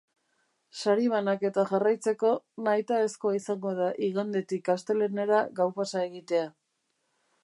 Sari-banaketa jarraitzeko nahitaezkoa izango da igandetik astelehenera gaupasa egitea.